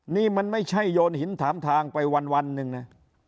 นี่มันไม่ใช่โยนหินถามทางไปวันหนึ่งนะ